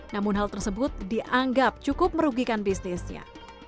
namun hal tersebut dianggap cukup merugikan bisnisnya